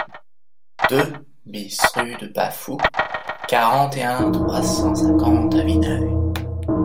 deux BIS rue de Bas Foux, quarante et un, trois cent cinquante à Vineuil